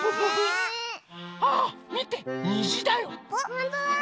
ほんとだ！